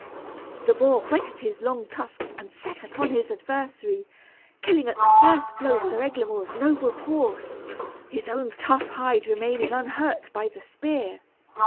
The boar whetted his long tusks and set upon his adversary, killing at the first blow Sir Eglamour's noble horse, his own tough hide remaining unhurt by the spear.